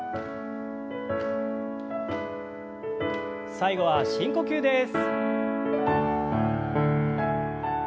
最後は深呼吸です。